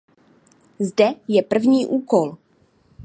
Zde je první úkol.